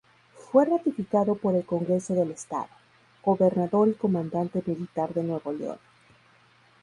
Fue ratificado por el Congreso del Estado, Gobernador y Comandante Militar de Nuevo León.